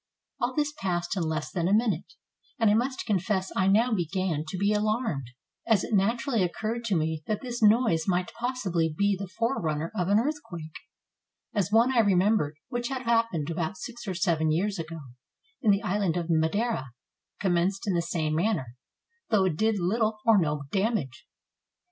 All this passed in less than a minute, and I must confess I now began to be alarmed, as it naturally occurred to me that this noise might possibly be the forerunner of an earthquake, as one I remembered, which had happened about six or seven years ago, in the island of Madeira, commenced in the same manner, though it did little or no damage.